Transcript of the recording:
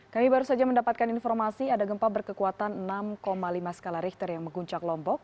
kami baru saja mendapatkan informasi ada gempa berkekuatan enam lima skala richter yang mengguncang lombok